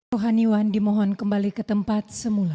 rohaniwan dimohon kembali ke tempat semula